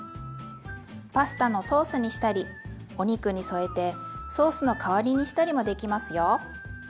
パスタのソースにしたりお肉に添えてソースの代わりにしたりもできますよ。